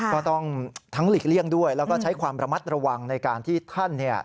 ก็ต้องทั้งหลีกเลี่ยงด้วยแล้วก็ใช้ความระมัดระวังในการที่ท่านเนี่ย